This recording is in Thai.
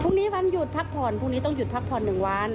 วันหยุดพักผ่อนพรุ่งนี้ต้องหยุดพักผ่อน๑วัน